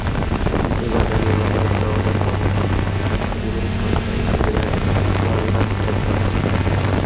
কিন্তু জ্বালানি, বাজার-সওদা বাবদ আষ্ট দিনে খরচ অইছে প্রায় সোয়া লাখ টাকা।